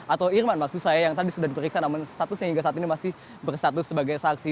atau irman maksud saya yang tadi sudah diperiksa namun statusnya hingga saat ini masih berstatus sebagai saksi